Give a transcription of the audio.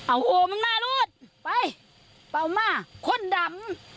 อ้าวโหมึงล่ะหรอตไปเปล่าม่าคนดั๋ม